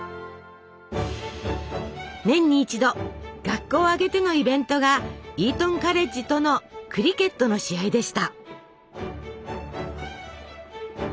年に一度学校を挙げてのイベントがイートンカレッジとのクリケットの試合でした！